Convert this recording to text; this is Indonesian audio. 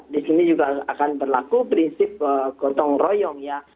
di sini juga akan berlaku prinsip gotong royong ya